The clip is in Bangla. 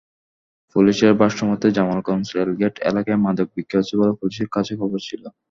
পুলিশের ভাষ্যমতে, জামালগঞ্জ রেলগেট এলাকায় মাদক বিক্রি হচ্ছে বলে পুলিশের কাছে খবর ছিল।